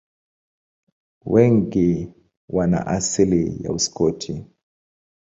Wengi wana asili ya Uskoti.